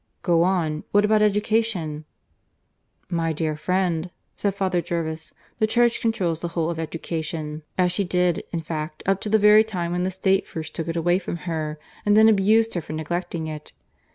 "Go on. What about education?" "My dear friend," said Father Jervis. "The Church controls the whole of education, as she did, in fact, up to the very time when the State first took it away from her and then abused her for neglecting it.